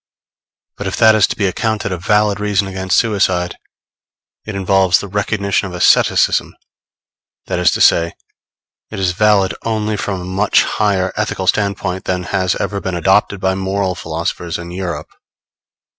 But if that is to be accounted a valid reason against suicide, it involves the recognition of asceticism; that is to say, it is valid only from a much higher ethical standpoint than has ever been adopted by moral philosophers in Europe.